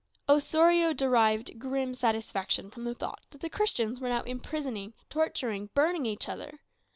Osorio derived grim satisfaction from the thought that the Christians were now imprisoning, torturing, burning each other.